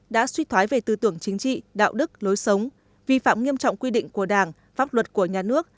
đã suy thoái về tư tưởng chính trị đạo đức lối sống vi phạm nghiêm trọng quy định của đảng pháp luật của nhà nước